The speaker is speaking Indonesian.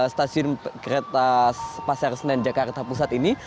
stasiun kereta pasar senen jakarta pusat ini